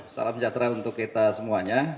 salam sejahtera untuk kita semuanya